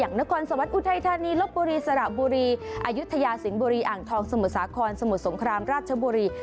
นครสวรรค์อุทัยธานีลบบุรีสระบุรีอายุทยาสิงห์บุรีอ่างทองสมุทรสาครสมุทรสงครามราชบุรี